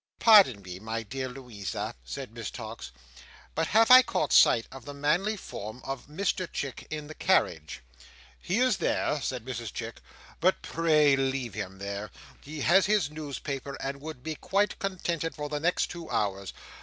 "Pardon me, my dear Louisa," said Miss Tox, "but have I caught sight of the manly form of Mr Chick in the carriage?" "He is there," said Mrs Chick, "but pray leave him there. He has his newspaper, and would be quite contented for the next two hours.